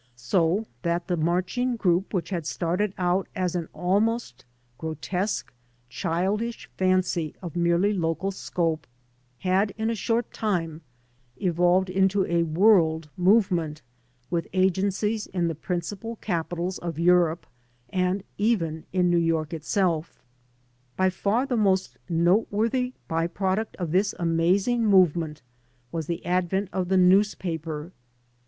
So that the marching group which had started out as an almost grotesque, childish fancy of merely local scope, had in a short time evolved into a world movement, with agencies in the principal capitals of Europe and even in New York itself. By far the most noteworthy by product of this amazing movement was the advent of the newspaper.